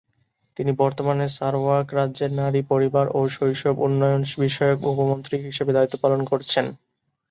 তিনি বর্তমানে সারাওয়াক রাজ্যের নারী, পরিবার ও শৈশব উন্নয়ন বিষয়ক উপমন্ত্রী হিসেবে দায়িত্ব পালন করছেন।